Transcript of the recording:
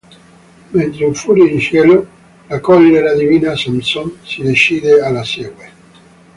Mentre infuria in cielo la collera divina, Samson si decide e la segue.